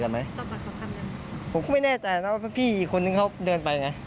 ก็มีแน่ในใจนะว่าพี่นึงเขาเดินไปไง